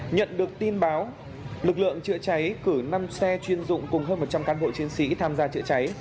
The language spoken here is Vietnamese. nhận được tin báo lực lượng chữa cháy cử năm xe chuyên dụng cùng hơn một trăm linh cán bộ chiến sĩ tham gia chữa cháy